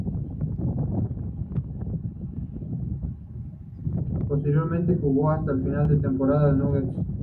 Posteriormente jugó hasta final de la temporada en los Nuggets.